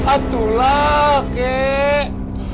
atuh lah kek